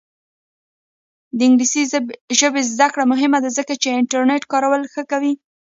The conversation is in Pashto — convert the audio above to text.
د انګلیسي ژبې زده کړه مهمه ده ځکه چې انټرنیټ کارول ښه کوي.